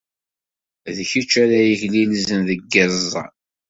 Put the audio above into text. D kečč ara yeglilzen deg yiẓẓan.